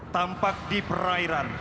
tampak di perairan